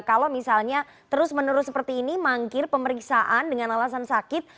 kalau misalnya terus menerus seperti ini mangkir pemeriksaan dengan alasan sakit